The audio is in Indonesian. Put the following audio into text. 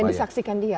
dan disaksikan dia